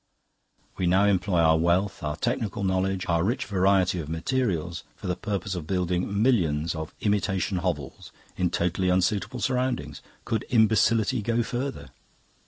We now employ our wealth, our technical knowledge, our rich variety of materials for the purpose of building millions of imitation hovels in totally unsuitable surroundings. Could imbecility go further?"